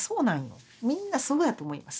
みんなそうやと思います。